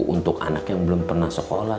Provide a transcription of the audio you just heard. untuk anak yang belum pernah sekolah